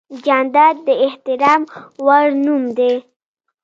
جانداد د احترام وړ نوم دی.